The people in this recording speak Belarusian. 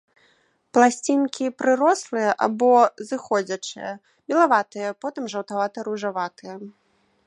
Пласцінкі прырослыя або зыходзячыя, белаватыя, потым жаўтавата-ружаватыя.